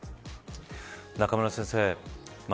中村先生